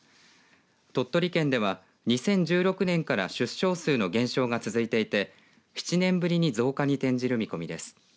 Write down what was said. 鳥取県では、２０１６年から出生数の減少が続いていて７年ぶりに増加に転じる見込みです。